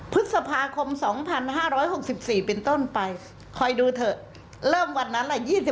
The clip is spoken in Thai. ๒๕๒๖พฤษภาคมเป็นต้นไปนะครับ